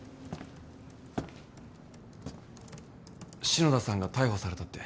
・篠田さんが逮捕されたって。